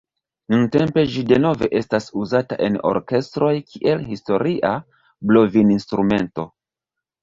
Nuntempe ĝi denove estas uzata en orkestroj kiel historia blovinstrumento.